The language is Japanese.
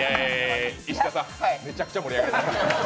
石田さん、めちゃくちゃ盛り上がりました。